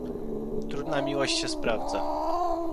Trudna miłość się sprawdza